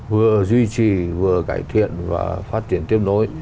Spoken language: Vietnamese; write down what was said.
vừa duy trì vừa cải thiện và phát triển tiếp nối